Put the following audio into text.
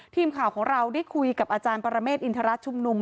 ทีมข่าวของเราได้คุยกับอาจารย์ปรเมฆอินทรชุมนุม